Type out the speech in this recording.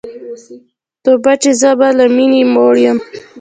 توبه چي زه به له میني موړ یم